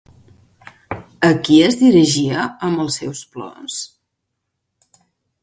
A qui es dirigia amb els seus plors?